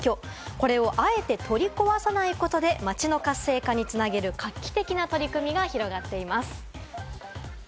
これをあえて取り壊さないことで、街の活性化に繋げる画期的な取り組みが広がっています。